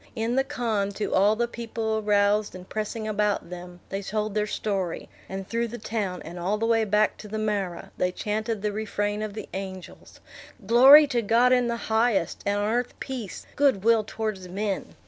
In the khan, to all the people aroused and pressing about them, they told their story; and through the town, and all the way back to the marah, they chanted the refrain of the angels, "Glory to God in the highest, and on earth peace, good will towards men!"